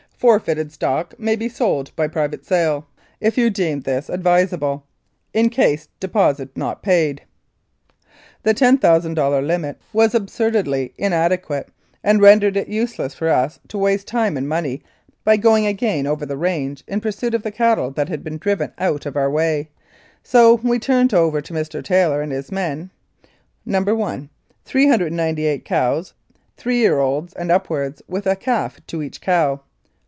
Forfeited stock may be sold by private sale, if you deem this advisable, in case deposit not paid." The $10,000 limit was absurdly inadequate, and rendered it useless for us to waste time and money by going again over the range in pursuit of the cattle that had been driven out of our way, so we turned over to Mr. Taylor and his men : (1) 398 cows, three years old and upwards, with a calf to each cow.